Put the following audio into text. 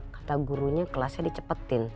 kata gurunya kelasnya dicepetin